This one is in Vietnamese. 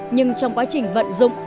nhưng trong quá trình vận dụng